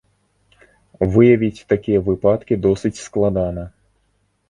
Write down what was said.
Выявіць такія выпадкі досыць складана.